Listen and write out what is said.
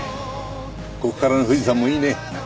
ここからの富士山もいいね。